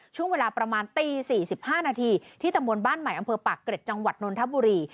ช่วงเวลาประมาณตี๔๕นาทีที่ตำบลบ้านใหม่อำเภอปากเกร็ดจังหวัดนนทบุรี